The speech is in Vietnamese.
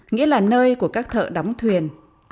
nghĩa là nơi của các thợ đóng thuyền